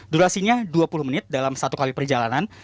durasinya dua puluh menit dalam satu kali perjalanan